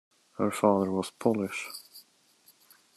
Her father was Polish.